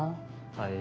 はい。